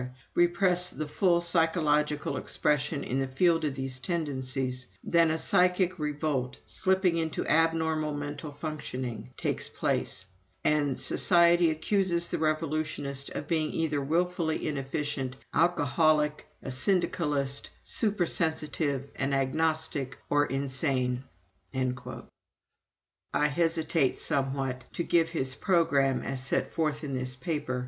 repress the full psychological expression in the field of these tendencies, then a psychic revolt, slipping into abnormal mental functioning, takes place, and society accuses the revolutionist of being either willfully inefficient, alcoholic, a syndicalist, supersensitive, an agnostic, or insane." I hesitate somewhat to give his programme as set forth in this paper.